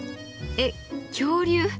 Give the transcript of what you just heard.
えっ恐竜？